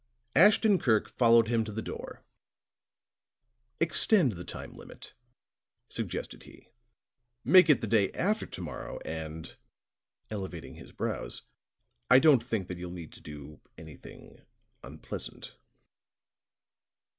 Ashton Kirk followed him to the door: "Extend the time limit," suggested he. "Make it the day after to morrow, and," elevating his brows, "I don't think that you'll need to do anything unpleasant."